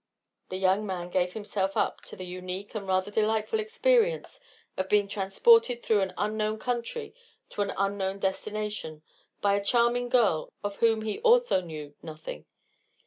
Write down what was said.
The young man gave himself up to the unique and rather delightful experience of being transported through an unknown country to an unknown destination by a charming girl of whom he also knew nothing.